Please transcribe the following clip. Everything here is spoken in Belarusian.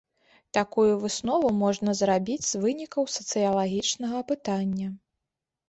Такую выснову можна зрабіць з вынікаў сацыялагічнага апытання.